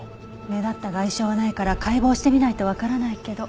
目立った外傷はないから解剖してみないとわからないけど。